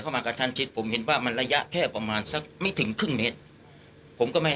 มากระชั้นชิดผมเห็นว่ามันระยะแค่ประมาณสักไม่ถึงครึ่งเมตรผมก็ไม่